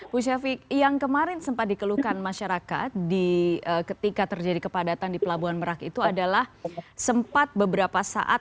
bu syafiq yang kemarin sempat dikeluhkan masyarakat ketika terjadi kepadatan di pelabuhan merak itu adalah sempat beberapa saat